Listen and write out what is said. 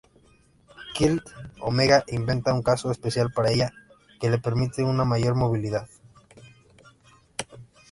Kid Omega inventa un caso especial para ella, que le permite una mayor movilidad.